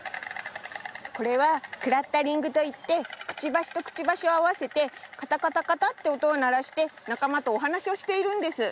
これは「クラッタリング」といってくちばしとくちばしをあわせてカタカタカタっておとをならしてなかまとおはなしをしているんです。